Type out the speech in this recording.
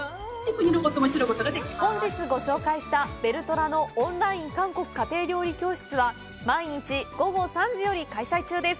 本日ご紹介したベルトラのオンライン韓国家庭料理教室は毎日午後３時より開催中です